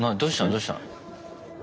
どうしたの？